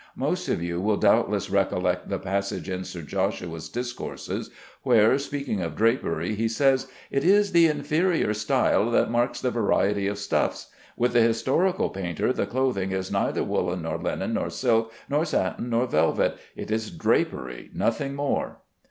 Most of you will doubtless recollect the passage in Sir Joshua's discourses where, speaking of drapery, he says: "It is the inferior style that marks the variety of stuffs. With the historical painter the clothing is neither woollen, nor linen, nor silk, nor satin nor velvet: it is drapery, nothing more."